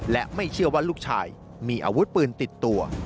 และไม่เชื่อว่าลูกชายมีอาวุธปืนติดตัว